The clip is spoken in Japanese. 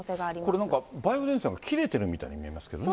これなんか、梅雨前線が切れてるみたいに見えますけどね。